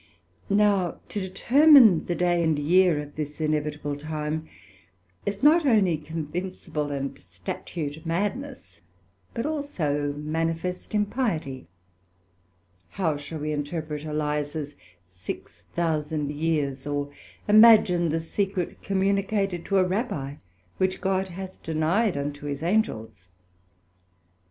Now to determine the day and year of this inevitable time, is not onely convincible and statute madness, but also manifest impiety: How shall we interpret Elias 6000 years, or imagine the secret communicated to a Rabbi, which God hath denyed unto his Angels?